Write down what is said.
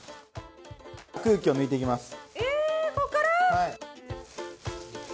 空気を抜いていきます。